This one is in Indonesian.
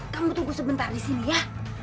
kamu tunggu sebentar di sini ya